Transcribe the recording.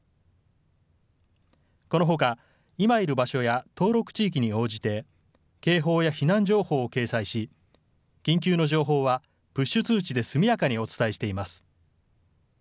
このほか、今いる場所や登録地域に応じて警報や避難情報を掲載し緊急の情報はプッシュ通知で速やかにお伝えしています。